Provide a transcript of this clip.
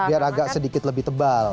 biar agak sedikit lebih tebal